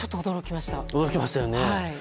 驚きましたよね。